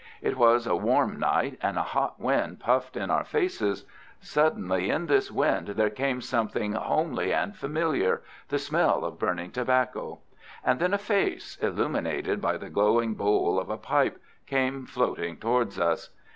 It was a warm night, and a hot wind puffed in our faces. Suddenly in this wind there came something homely and familiar—the smell of burning tobacco. And then a face, illuminated by the glowing bowl of a pipe, came floating towards us.